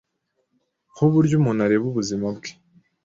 nkuburyo umuntu areba ubuzima bwe